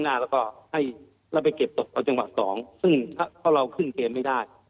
แล้วก็ให้แล้วไปเก็บตกเอาจังหวะสองซึ่งเพราะเราขึ้นเกมไม่ได้